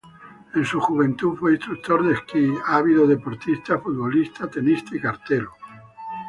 En su juventud fue instructor de esquí, ávido deportista, futbolista, tenista y cartero.